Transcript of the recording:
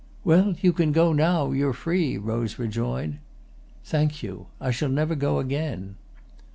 "Well, you can go now; you're free," Rose rejoined. "Thank you. I shall never go again."